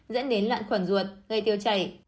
dẫn đến loạn khuẩn ruột gây tiêu chảy